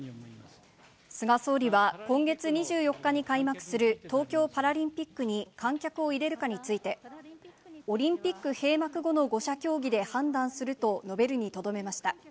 菅総理は、今月２４日に開幕する東京パラリンピックに観客を入れるかについて、オリンピック閉幕後の５者協議で判断すると述べるにとどめました。